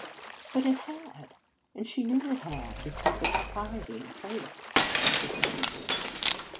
" But it had) and she knew it had, because of her piety and faith," insisted Marie.